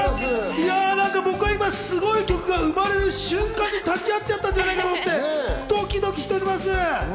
僕は今、すごい曲が生まれる瞬間に立ち会っちゃったんじゃないかと思って、ドキドキしております。